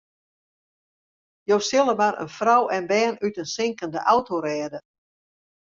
Jo sille mar in frou en bern út in sinkende auto rêde.